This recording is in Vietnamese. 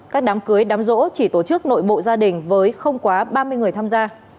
các đám cưới đám rỗ chỉ tổ chức nội bộ gia đình với không quá ba mươi người tham gia